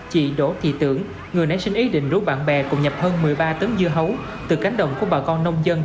chị đỗ thị tưởng người nãy sinh ý định rút bạn bè cùng nhập hơn một mươi ba tấm dưa hấu từ cánh đồng của bà con nông dân